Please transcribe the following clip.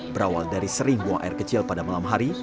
berawal dari sering buang air kecil pada malam hari